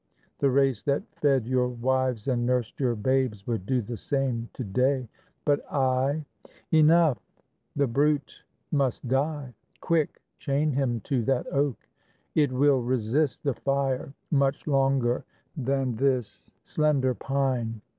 ... The race that fed Your wives and nursed your babes would do the same To day, but I Enough, the brute must die! Quick! Chain him to that oak! It will resist The fire much longer than this slender pine.